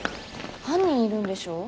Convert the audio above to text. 犯人いるんでしょ。